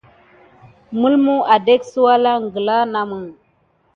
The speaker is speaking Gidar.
Mulmu adek sə walanŋ gkla namə.